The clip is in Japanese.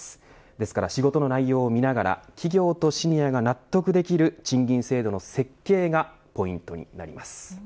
ですから、仕事の内容を見ながら企業とシニアが納得できる賃金制度の設計がポイントになります。